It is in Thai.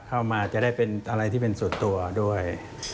เข้ามาจะได้เป็นอะไรที่เป็นส่วนตัวด้วย